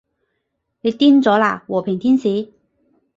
你癲咗喇，和平天使